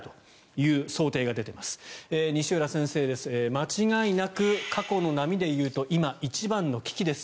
間違いなく過去の波で言うと今、一番の危機です